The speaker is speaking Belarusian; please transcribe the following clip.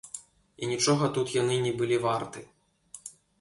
І нічога тут яны не былі варты.